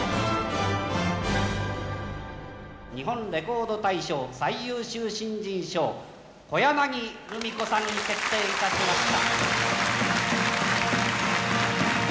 日本「レコード大賞」最優秀新人賞、小柳ルミ子さんに決定いたしました。